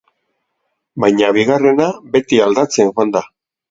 Baina bigarrena beti aldatzen joan da.